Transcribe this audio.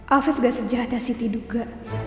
afif gak sejahat yang siti duga